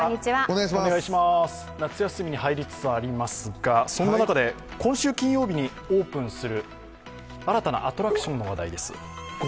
夏休みに入りつつありますが、そんな中で今週金曜日にオープンする新たなアトラクションの話題です。